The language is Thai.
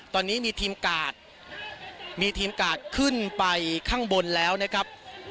ตอนนี้มีทีมกาดมีทีมกาดขึ้นไปข้างบนแล้วนะครับ